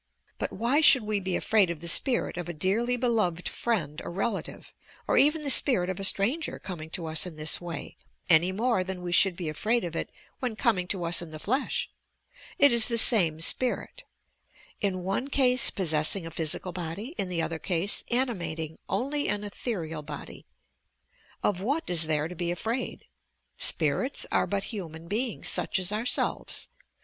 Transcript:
But why should we be afraid of the spirit of a dearly beloved friend or relative, or even the spirit of a stranger coming to us in this way, any more than we should be afraid of it when coming to us in the flesh t It is the same spirit, — in one case possessing a physical body, in the other case animating only an ethereal body. Of what i.s there to be afraid? Spirits 24 YOUR PSYCHIC POWERS are but human beings, such as ourselves.